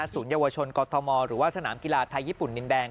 ศูนย์เยาวชนกอทโทมอลหรือว่าสนามกีฬาไทยญี่ปุ่นนินแบงก์